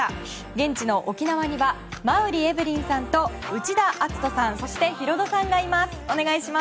現地の沖縄には馬瓜エブリンさんと内田篤人さんそしてヒロドさんがいます。